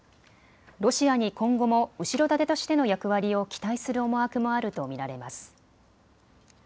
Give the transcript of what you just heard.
ロシアに今後も後ろ盾としての役割を期待する思惑もあると見られます。